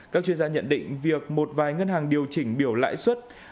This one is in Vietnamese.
các chuyên gia nhận định việc một vài ngân hàng điều chỉnh biểu lãi suất